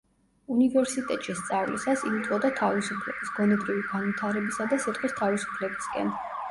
უნივერსიტეტში სწავლისას ილტვოდა თავისუფლების, გონებრივი განვითარებისა და სიტყვის თავისუფლებისკენ.